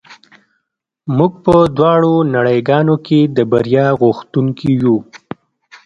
موږ په دواړو نړۍ ګانو کې د بریا غوښتونکي یو